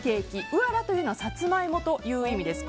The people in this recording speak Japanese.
ウアラというのはサツマイモという意味です。